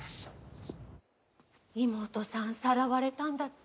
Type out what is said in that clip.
妹さんさらわれたんだって？